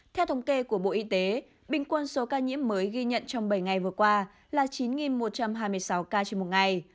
theo thống kê của bộ y tế bình quân số ca nhiễm mới ghi nhận trong bảy ngày vừa qua là chín một trăm hai mươi sáu ca trên một ngày